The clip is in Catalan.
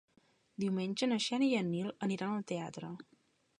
Diumenge na Xènia i en Nil aniran al teatre.